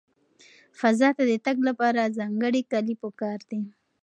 فضا ته د تګ لپاره ځانګړي کالي پکار دي.